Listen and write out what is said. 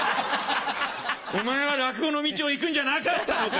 「お前は落語の道を行くんじゃなかったのか？」。